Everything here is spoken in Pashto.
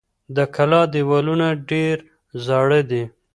د کلا دېوالونه ډېر زاړه دي.